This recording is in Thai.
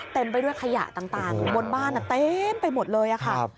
ไปด้วยขยะต่างบนบ้านเต็มไปหมดเลยค่ะ